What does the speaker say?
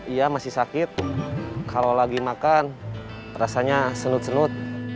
iya masih sakit kalau lagi makan rasanya senut senut